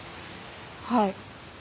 はい。